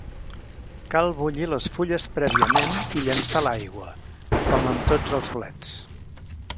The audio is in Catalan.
Cal bullir les fulles prèviament i llençar l'aigua, com amb tots els blets.